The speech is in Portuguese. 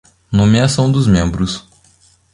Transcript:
Nomeação dos membros.